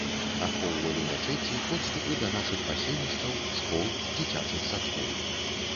Ахоўвалі мячэці, подступы да нашых паселішчаў, школ, дзіцячых садкоў.